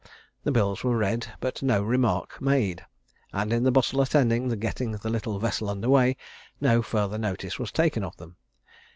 The bills were read, but no remark made; and in the bustle attending the getting the little vessel under way, no further notice was taken of them.